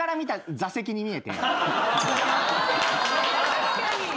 ・確かに！